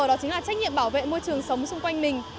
đó chính là trách nhiệm bảo vệ môi trường sống xung quanh mình